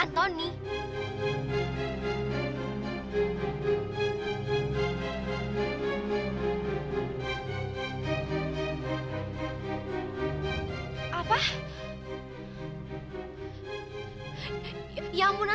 dan aku juga